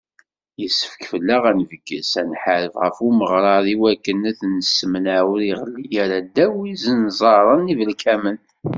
Yessefk fell-aɣ ad nebges, ad nḥareb ɣef umeɣrad iwakken ad t-nessemneɛ ur iɣelli ara ddaw n yizenẓaren ibelkamen.